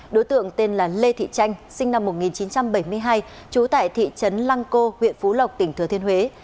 đối tượng tên là lê thị tranh sinh năm một nghìn chín trăm bảy mươi hai trú tại thị trấn lăng cô huyện phú lộc tỉnh thừa thiên huế